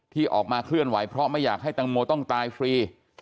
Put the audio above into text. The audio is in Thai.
ที่ออกมาเคลื่อนไหวเพราะไม่อยากให้ตังโมต้องตายฟรี